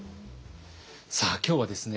さあ今日はですね